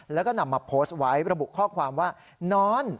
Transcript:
แล้วก็นำมาโพสต์ไว้ระบุข้อความว่านอน